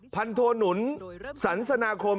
พันโทหนุนสันสนาคม